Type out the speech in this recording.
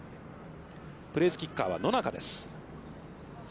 プレースキッカーは野中です。